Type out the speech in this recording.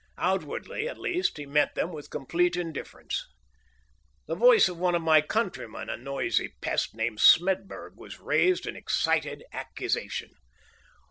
Outwardly at least he met them with complete indifference. The voice of one of my countrymen, a noisy pest named Smedburg, was raised in excited accusation.